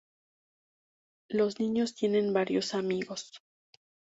Los niños tienen varios amigos.